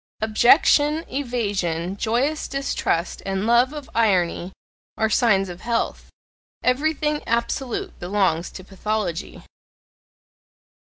Objection, evasion, joyous distrust, and love of irony are signs of health; everything absolute belongs to pathology.